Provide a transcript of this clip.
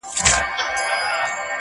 یارانو رخصتېږمه، خُمار درڅخه ځمه؛